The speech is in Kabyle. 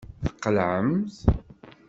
Tqelɛemt.